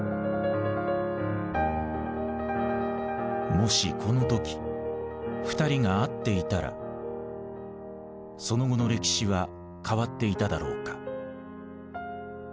もしこの時２人が会っていたらその後の歴史は変わっていただろうか。